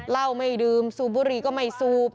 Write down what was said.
เหล้าไม่ดื่มสูบบุหรี่ก็ไม่สูบ